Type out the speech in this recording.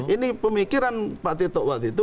ini pemikiran pak tito waktu itu